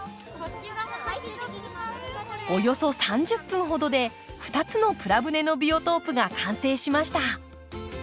およそ３０分ほどで２つのプラ舟のビオトープが完成しました。